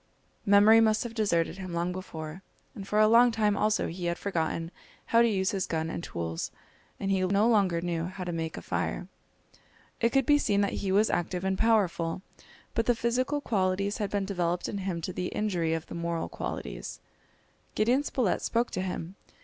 Memory must have deserted him long before, and for a long time also he had forgotten how to use his gun and tools, and he no longer knew how to make a fire! It could be seen that he was active and powerful, but the physical qualities had been developed in him to the injury of the moral qualities. Gideon Spilett spoke to him.